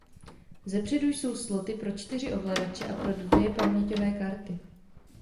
Zepředu jsou sloty pro čtyři ovladače a pro dvě paměťové karty.